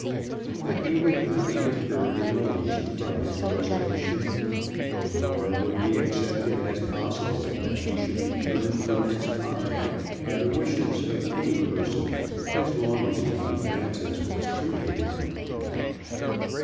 But he would not be deterred in the least from his resolution, nor would he accept it as possible that he should be turned from his object by the wishes of any person as long as Lady Frances was true to him.